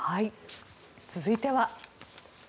続いては。